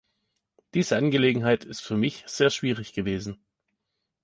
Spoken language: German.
Diese Angelegenheit ist für mich sehr schwierig gewesen.